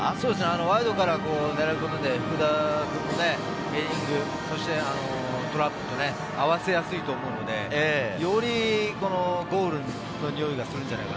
ワイドから狙うことで、トラップ、合わせやすいと思うので、よりゴールのにおいがするんじゃないかな？